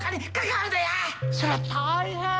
そりゃ大変！